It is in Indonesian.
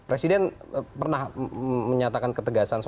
presiden pernah menyatakan ketegangan dengan tni